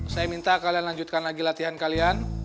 saya minta kalian lanjutkan lagi latihan kalian